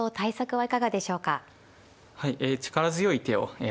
はい。